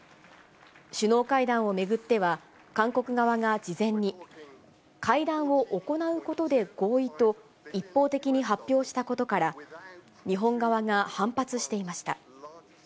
首脳会談を巡っては、韓国側が事前に、会談を行うことで合意と、一方的に発表したことから、日本側が反発していました。